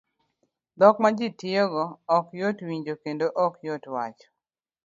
Dhok ma ji tiyo go ok yot winjo kendo ok yot wacho